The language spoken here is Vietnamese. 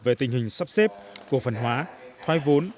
về tình hình sắp xếp cổ phần hóa thoái vốn